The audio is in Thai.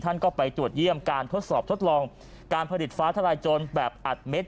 ท่านก็ไปตรวจเยี่ยมการทดสอบทดลองการผลิตฟ้าทลายโจรแบบอัดเม็ด